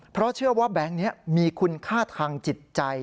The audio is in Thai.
เพราะเชื่อว่าแบงค์นี้มีคุณค่าทางจิตใจ